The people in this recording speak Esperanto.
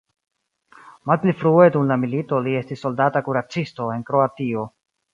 Malpli frue dum la milito li estis soldata kuracisto en Kroatio.